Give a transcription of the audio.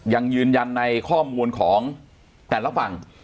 ยังยืนยันในข้อมูลของแต่ละฝั่ง